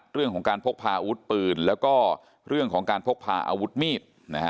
เรื่องของการพกพาอาวุธปืนแล้วก็เรื่องของการพกพาอาวุธมีด